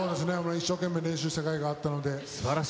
一生懸命練習したかいがあったので。